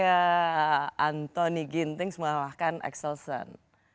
antony ginting mengalahkan excelsen